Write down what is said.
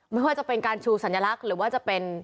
ไม่ว่าจะเป็นการชูสัญลักษณ์หรือว่าจะเป็น